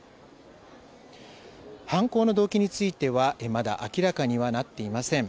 犯行の動機についてはまだ明らかにはなっていません。